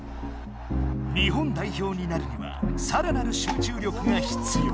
日本代表になるにはさらなる集中力がひつよう！